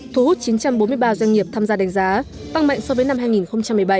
thu hút chín trăm bốn mươi ba doanh nghiệp tham gia đánh giá tăng mạnh so với năm hai nghìn một mươi bảy